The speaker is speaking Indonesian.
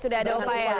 sudah ada upaya